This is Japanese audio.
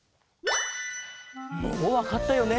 もうわかったよね？